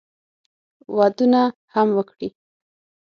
ودونه هم وکړي.